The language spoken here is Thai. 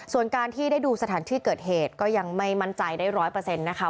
ส่วนการที่ได้ดูสถานที่เกิดเหตุก็ยังไม่มั่นใจได้๑๐๐นะคะ